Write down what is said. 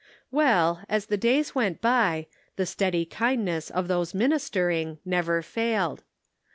Well, as the days went by, the steady kindness of those ministering never failed.